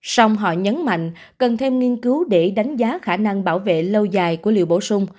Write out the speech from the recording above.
xong họ nhấn mạnh cần thêm nghiên cứu để đánh giá khả năng bảo vệ lâu dài của liều bổ sung